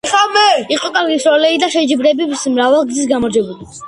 იყო კარგი მსროლელი და შეჯიბრებების მრავალგზის გამარჯვებული.